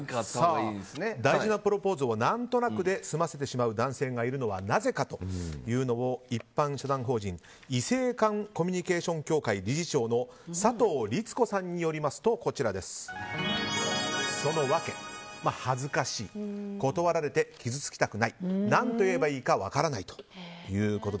大事なプロポーズを何となくで済ませてしまう男性がいるのはなぜかというのを一般社団法人異性間コミュニケーション協会佐藤律子さんによりますとその訳、恥ずかしい断られて傷つきたくない何と言えばいいか分からないと。